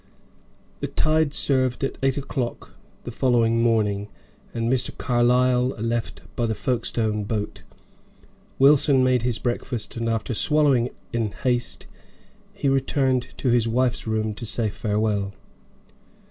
The tide served at eight o'clock the following morning, and Mr. Carlyle left by the Folkestone boat. Wilson made his breakfast, and after swallowing it in haste, he returned to his wife's room to say farewell.